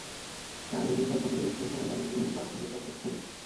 প্রায়ই এই গল্পগুলির একটি নারীবাদী থিম বা মনস্তত্ব ছিল।